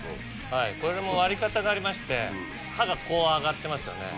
これも割り方がありまして歯がこう上がってますよね。